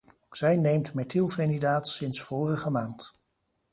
Zij neemt methylphenidate sinds vorige maand.